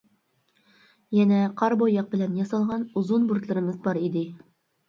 يەنە قارا بوياق بىلەن ياسالغان ئۇزۇن بۇرۇتلىرىمىز بار ئىدى.